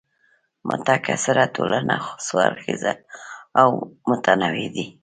متکثره ټولنه څو اړخیزه او متنوع وي.